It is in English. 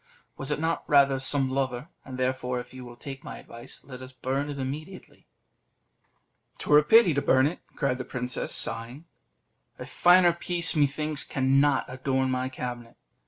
"Was it not rather some lover? And therefore, if you will take my advice, let us burn it immediately." "'Twere a pity to burn it," cried the princess, sighing; "a finer piece, methinks, cannot adorn my cabinet."